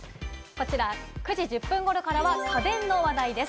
９時１０分頃からは家電の話題です。